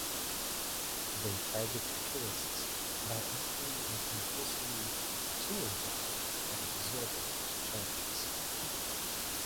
They target tourists by offering a compulsory "tour guide" at exorbitant charges.